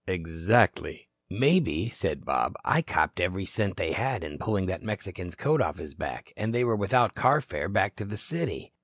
"Exactly." "Maybe," said Bob, "I copped every cent they had in pulling that Mexican's coat off his back, and they were without carfare back to the city."